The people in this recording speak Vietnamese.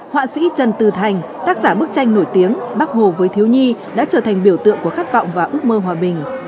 họa sĩ trần tư thành tác giả bức tranh nổi tiếng bác hồ với thiếu nhi đã trở thành biểu tượng của khát vọng và ước mơ hòa bình